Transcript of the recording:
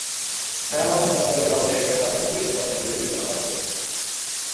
ছায়াময় মাচাংঘরের পাশে একটা গাছও তুলির স্পর্শে ধীরে ধীরে প্রাণ পাচ্ছিল।